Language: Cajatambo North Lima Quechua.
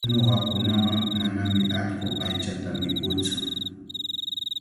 Ñuqakunaqa manami allqu aychata mikuutsu.